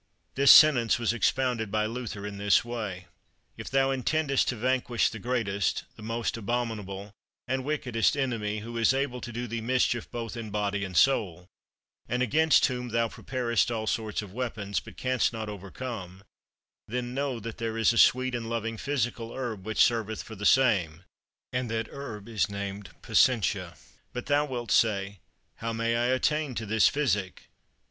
" This sentence was expounded by Luther in this way: If thou intendest to vanquish the greatest, the most abominable and wickedest enemy, who is able to do thee mischief both in body and soul, and against whom thou preparest all sorts of weapons, but canst not overcome, then know that there is a sweet and loving physical herb which serveth for the same, and that herb is named Patientia. But thou wilt say, "How may I attain to this physic?"